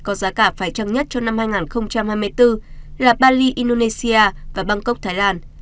có giá cả phải trăng nhất cho năm hai nghìn hai mươi bốn là bali indonesia và bangkok thái lan